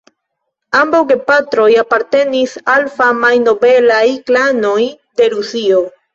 Ambaŭ gepatroj apartenis al famaj nobelaj klanoj de Rusio.